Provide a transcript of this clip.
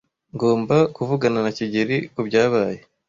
Ngomba kuvugana na kigeli kubyabaye.